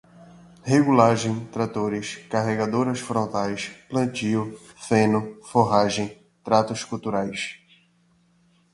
regulagem, tratores, carregadoras frontais, plantio, feno, forragem, tratos culturais